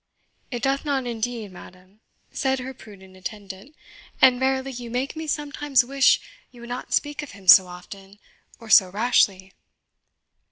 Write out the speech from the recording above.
"It doth not indeed, madam," said her prudent attendant; "and verily you make me sometimes wish you would not speak of him so often, or so rashly."